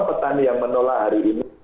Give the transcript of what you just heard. petani yang menolak hari ini